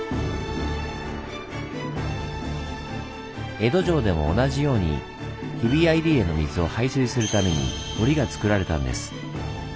江戸城でも同じように日比谷入江の水を排水するために堀がつくられたんです。